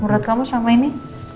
murad kamu selama ini